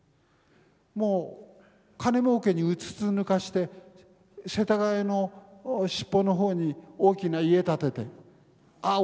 もう金もうけにうつつ抜かして世田谷の尻尾の方に大きな家建ててああ